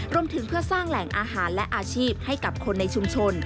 รวมถึงเพื่อสร้างแหล่งอาหารและอาชีพให้กับคนในชุมชน